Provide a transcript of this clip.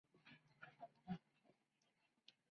Artistas notables como Augustus John y Walter Sickert.